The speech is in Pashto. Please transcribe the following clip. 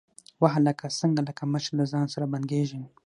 _وه هلکه، څنګه لکه مچ له ځان سره بنګېږې؟